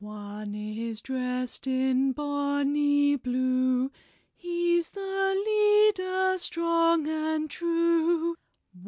One is dressed in bon ny blue; He's the lead er, strong and true.